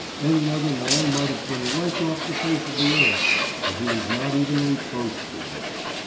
Any other man might have been wiped off the face of the earth, but he was not even reproached for it.